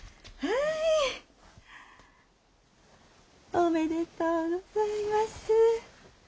おめでとうございます。